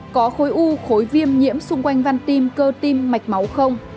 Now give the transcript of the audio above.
có khối u khối viêm nhiễm xung quanh văn tim cơ tim mạch máu không